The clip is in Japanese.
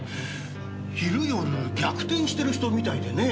昼夜逆転してる人みたいでね